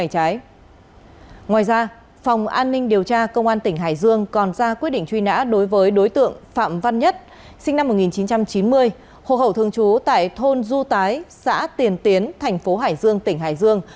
hồ hậu thường chú tại thôn du tái xã tiền tiến thành phố hải dương tỉnh hải dương